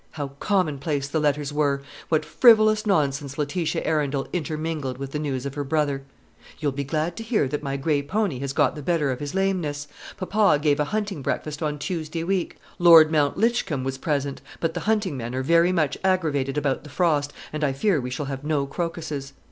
How commonplace the letters were! What frivolous nonsense Letitia Arundel intermingled with the news of her brother! "You'll be glad to hear that my grey pony has got the better of his lameness. Papa gave a hunting breakfast on Tuesday week. Lord Mountlitchcombe was present; but the hunting men are very much aggravated about the frost, and I fear we shall have no crocuses.